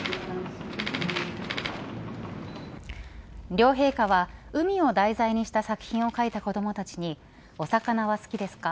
両陛下は海を題材にした作品を描いた子どもたちにお魚は好きですか。